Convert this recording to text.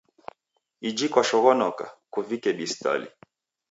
Iji kwashoghonoka, kuvike bistali.